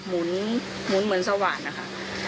หมุนเหมือนสว่านนะคะ